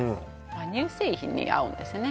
乳製品に合うんですよね